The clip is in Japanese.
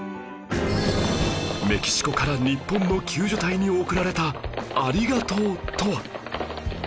メキシコから日本の救助隊に送られた「ありがとう」とは？